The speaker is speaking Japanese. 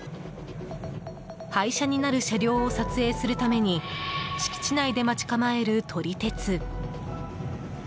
廃車になる車両を撮影するために敷地内で待ち構える撮り鉄。